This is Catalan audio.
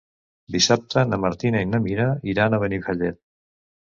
Dissabte na Martina i na Mira iran a Benifallet.